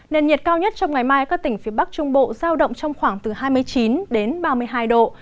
nền nhiệt cao nhất trong ngày mai các tỉnh phía bắc trung bộ giao động trong khoảng từ hai mươi chín đến ba mươi hai độ